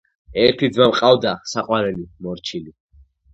ერთი ძმა მყავდა, საყვარელი, მორჩილი